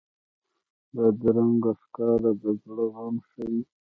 بدرنګه ښکاره د زړه غم ښيي